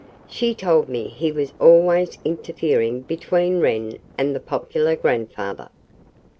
She told me he was always interfering between Wren and the popular grandfather.